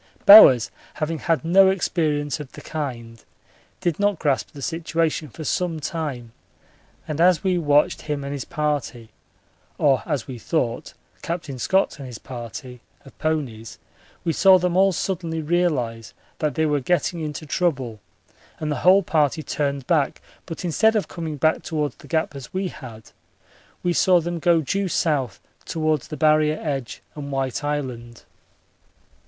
Bowers, having had no experience of the kind, did not grasp the situation for some time, and as we watched him and his party or as we thought Captain Scott and his party of ponies we saw them all suddenly realise that they were getting into trouble and the whole party turned back; but instead of coming back towards the Gap as we had, we saw them go due south towards the Barrier edge and White Island.